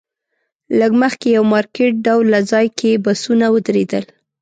لږ مخکې یو مارکیټ ډوله ځای کې بسونه ودرېدل.